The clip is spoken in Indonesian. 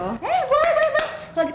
eh boleh boleh boleh